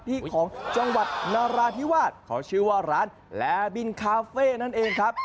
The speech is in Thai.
ที่ของจังหวัดนราธิวาสเขาชื่อว่าร้านแลบินคาเฟ่นั่นเองครับ